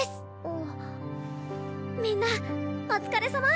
あみんなお疲れさま。